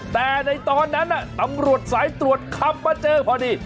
แต่ในตอนนั้นตำรวจสายตรวจขับมาเจอพอดี